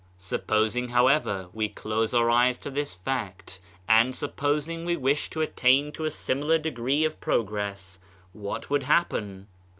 Supposing, however, we close our eyes to this fact, and supposing we wish to attain to a similar degree of progress; what would happen?